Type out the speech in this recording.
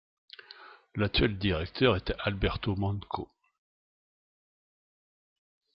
L’actuel directeur est Alberto Manco.